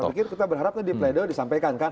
saya pikir kita berharap di play doh disampaikan kan